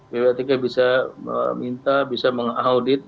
ppatk bisa meminta bisa mengaudit